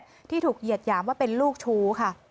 ความเครียดที่ถูกเหยียดหยามว่าเป็นลูกชู้ค่ะ